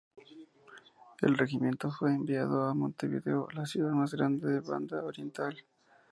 El regimiento fue enviado a Montevideo, la ciudad más grande de la Banda Oriental.